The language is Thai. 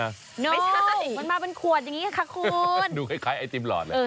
ไม่ใช่มันมาเป็นขวดอย่างนี้ค่ะคุณดูคล้ายไอติมหลอดเลย